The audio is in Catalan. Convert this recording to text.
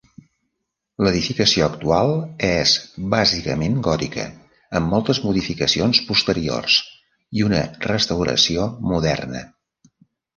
L'edificació actual és bàsicament gòtica, amb moltes modificacions posteriors i una restauració moderna.